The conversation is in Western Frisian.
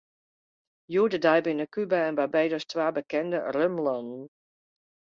Hjoed-de-dei binne Kuba en Barbados twa bekende rumlannen.